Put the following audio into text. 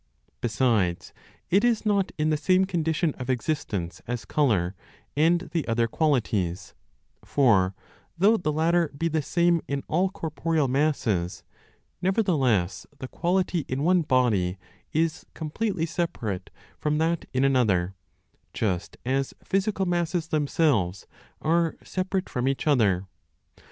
Besides it is not in the same condition of existence as color and the other qualities; for though the latter be the same in all corporeal masses, nevertheless the quality in one body is completely separate from that in another, just as physical masses themselves are separate from each other.